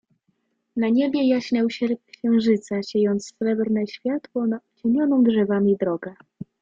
"Na niebie jaśniał sierp księżyca, siejąc srebrne światło, na ocienioną drzewami drogę."